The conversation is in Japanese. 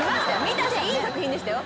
いい作品でしたよ。